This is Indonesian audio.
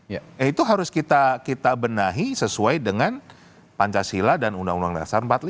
ya itu harus kita benahi sesuai dengan pancasila dan undang undang dasar empat puluh lima